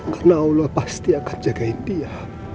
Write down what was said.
karena allah pasti akan jagain dia